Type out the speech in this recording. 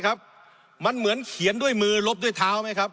ครับมันเหมือนเขียนด้วยมือลบด้วยเท้าไหมครับ